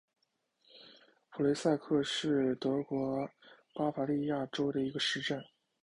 普雷塞克是德国巴伐利亚州的一个市镇。